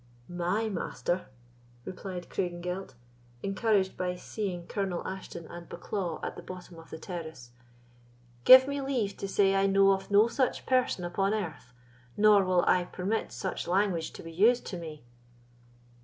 "My master!" replied Craigengelt, encouraged by seeing Colonel Ashton and Bucklaw at the bottom of the terrace. "Give me leave to say I know of no such person upon earth, nor will I permit such language to be used to me!"